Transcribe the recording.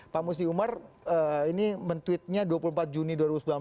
pak musti umar ini men tweetnya dua puluh empat juni dua ribu sembilan belas